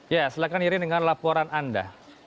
ya silahkan irin dengan laporan anda